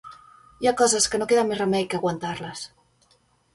Hi ha coses que no queda més remei que aguantar-les.